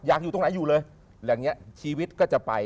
อยู่ตรงไหนอยู่เลยอย่างนี้ชีวิตก็จะไป